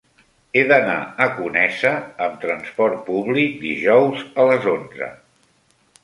He d'anar a Conesa amb trasport públic dijous a les onze.